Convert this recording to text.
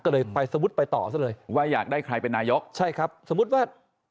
ก็เลยไปสวดไปต่อซะเลยว่าอยากได้ใครเป็นนายกใช่ครับสมมุติว่า